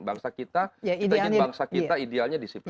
bangsa kita idealnya disiplin